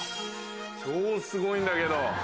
超すごいんだけど。